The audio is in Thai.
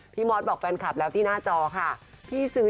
มอสบอกแฟนคลับแล้วที่หน้าจอค่ะพี่ซื้อ